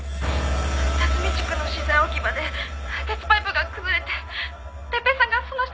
立見地区の資材置き場で鉄パイプが崩れて哲平さんがその下敷きになって。